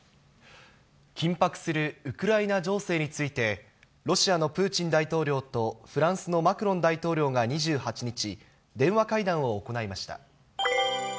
緊迫するウクライナ情勢について、ロシアのプーチン大統領とフランスのマクロン大統領が２８日、電話会談を行いました。